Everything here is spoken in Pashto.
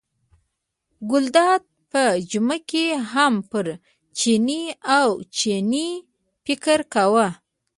ګلداد په جمعه کې هم پر چیني او چڼي فکر کاوه.